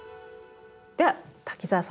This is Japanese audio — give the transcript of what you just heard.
では滝沢さん